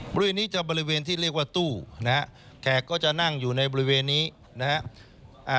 บริเวณนี้จะบริเวณที่เรียกว่าตู้นะฮะแขกก็จะนั่งอยู่ในบริเวณนี้นะฮะ